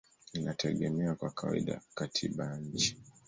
inategemea kwa kawaida katiba ya nchi.